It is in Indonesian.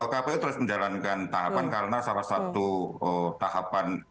kpu terus menjalankan tahapan karena salah satu tahapan